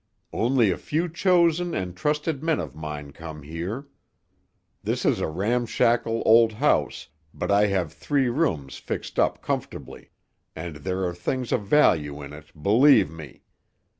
"Only a few chosen and trusted men of mine come here. This is a ramshackle old house, but I have three rooms fixed up comfortably. And there are things of value in it, believe me!